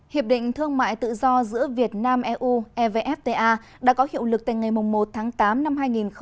hiệp định thương mại tự do giữa việt nam eu evfta đã có hiệu lực từ ngày một tháng tám năm hai nghìn một mươi chín